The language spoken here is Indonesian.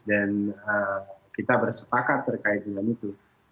dan kita bersepakat terkait dengan itu